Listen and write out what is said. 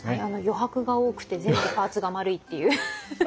余白が多くて全部パーツが丸いっていう。